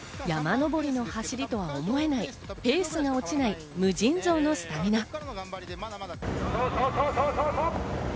山上りの走りとは思えない、ペースが落ちない無尽蔵のスタミナ。